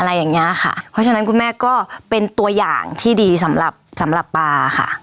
อะไรอย่างเงี้ยค่ะเพราะฉะนั้นคุณแม่ก็เป็นตัวอย่างที่ดีสำหรับสำหรับปลาค่ะ